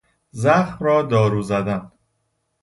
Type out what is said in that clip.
زخم را دارو زدن